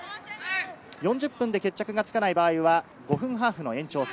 ４０分で決着がつかない場合は５分ハーフの延長戦。